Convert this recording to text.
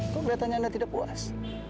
kok kelihatannya anda tidak puas